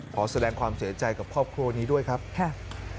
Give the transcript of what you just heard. ขอแสดงความเสียใจกับครอบครัวนี้ด้วยครับค่ะ